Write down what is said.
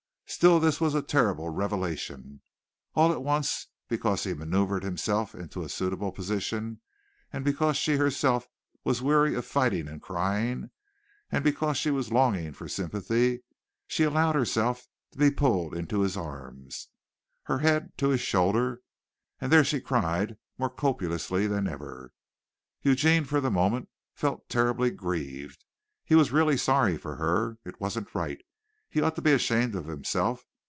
Still this was a terrible revelation. All at once, because he manoeuvred himself into a suitable position and because she herself was weary of fighting and crying, and because she was longing for sympathy, she allowed herself to be pulled into his arms, her head to his shoulder, and there she cried more copiously than ever. Eugene for the moment felt terribly grieved. He was really sorry for her. It wasn't right. He ought to be ashamed of himself.